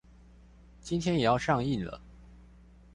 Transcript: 今天也要上映了